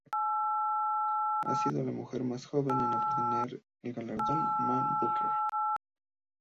Ha sido la mujer más joven en obtener el galardón Man Booker.